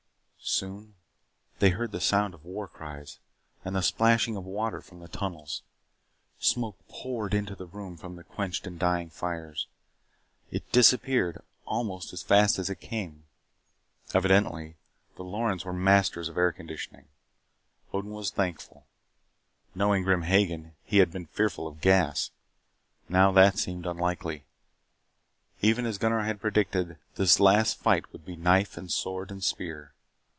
Soon they heard the sound of war cries and the splashing of water from the tunnels. Smoke poured into the room from the quenched and dying fires. It disappeared almost as fast as it came. Evidently the Lorens were masters of air conditioning. Odin was thankful. Knowing Grim Hagen, he had been fearful of gas. Now that seemed unlikely. Even as Gunnar had predicted, this last fight would be with knife and sword and spear.